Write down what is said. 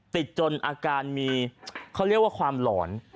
จนอาการมีเขาเรียกว่าความหลอน